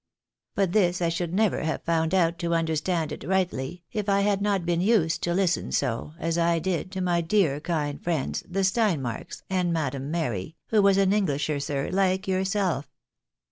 But this I should never have found out, to understand it rightly, if I had not been used to listen so, as I did, to my dear kind friends, the Steinmarks, and Madam Mary, who was an Englisher, sir, like yourself."